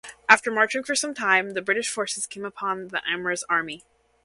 After marching for some time, the British forces came upon the Amir's army.